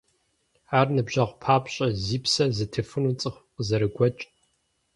Ар ныбжьэгъу папщӀэ зи псэр зытыфыну цӀыху къызэрыгуэкӀт.